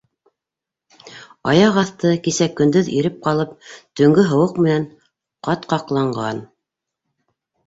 Аяҡ аҫты, кисә көндөҙ иреп ҡалып, төнгө һыуыҡ менән ҡатҡаҡланған.